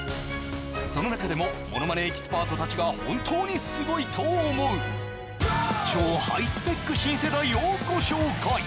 その中でもものまねエキスパート達が本当にすごいと思う超ハイスペック新世代をご紹介